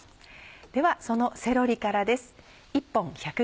ではそのセロリからです。